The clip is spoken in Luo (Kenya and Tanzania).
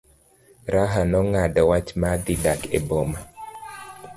Raha nong'ado wach mar dhi dak e boma.